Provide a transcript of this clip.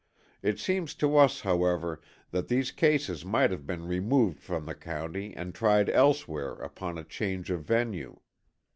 It seems to us, however, that these cases might have been removed from the county and tried elsewhere upon a change of venue.